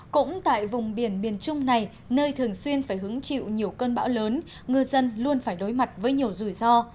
cũng tại vùng biển miền trung này nơi thường xuyên phải hứng chịu nhiều cơn bão lớn ngư dân luôn phải đối mặt với nhiều rủi ro